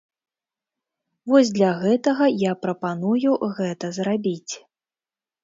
Вось для гэтага я прапаную гэта зрабіць.